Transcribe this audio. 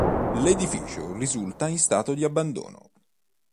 L'edificio risulta in stato di abbandono.